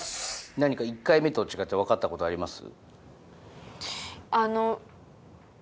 何か１回目と違って分かったことあります？